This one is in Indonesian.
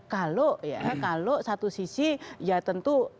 kalau ya kalau satu sisi ya tentu law enforcement dari regulasi